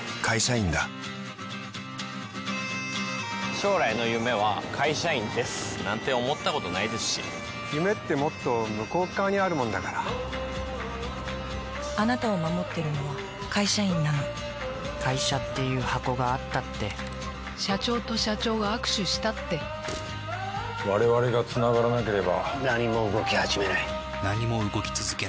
将来の夢は会社員です、なんて思ったことないですし夢ってもっと向こう側にあるものだからあなたを守ってるのは、会社員なの会社っていう箱があったって社長と社長が握手したって我々がつながらなければ何も動きはじめない何も動き続けない